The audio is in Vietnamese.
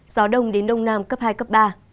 gió đông đến đông nam cấp hai cấp ba